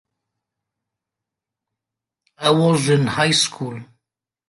I was in high school.